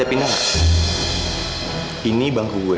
ini bangku gue